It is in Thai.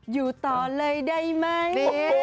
อยู่ต่อเลยได้ไหม